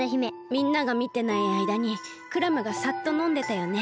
みんながみてないあいだにクラムがサッとのんでたよね。